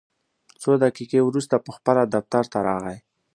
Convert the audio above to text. څو دقیقې وروسته پخپله دفتر ته راغی.